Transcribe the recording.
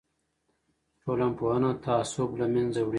ټولنپوهنه تعصب له منځه وړي.